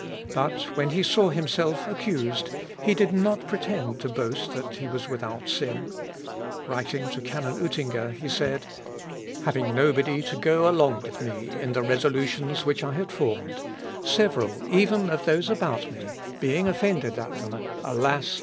But when he saw himself accused, he did not pretend to boast that he was without sin. Writing to canon Utinger, he said, "Having nobody to go along with me in the resolutions which I had formed, several even of those about me, being offended at them, alas!